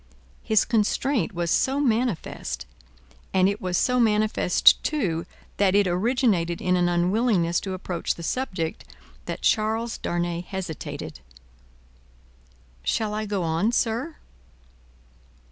His constraint was so manifest, and it was so manifest, too, that it originated in an unwillingness to approach the subject, that Charles Darnay hesitated. "Shall I go on, sir?"